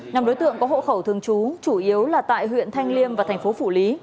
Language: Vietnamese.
nhóm đối tượng có hộ khẩu thường trú chủ yếu là tại huyện thanh liêm và tp phủ lý